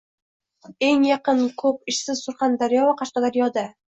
Eng yaqin kup ishsiz Surxondaryo va Qashqadarjoda